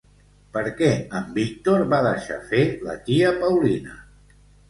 Per què en Víctor va deixar fer la tia Paulina?